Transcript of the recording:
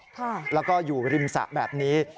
ค่ะแล้วก็อยู่ริมสระแบบนี้